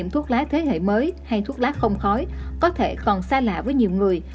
thuốc lá không khói có thể còn xa lạ với nhiều người